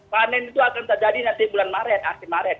panen itu akan terjadi nanti bulan maret akhir maret